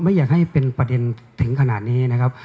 ไม่อยากให้เป็นประเด็นถึงขนาดนี้นะครับ